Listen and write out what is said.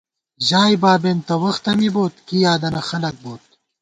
ژائی بابېن تہ وختہ مِبوئیت ، کی یادَنہ خلَک بوت